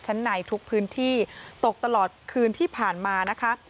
ชั้นในทุกพื้นที่ตกตลอดคืนที่ผ่านมานะคะ